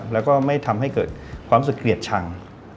แล้วก็ไม่ทำให้เกิดความรู้สึกเกลียดชัง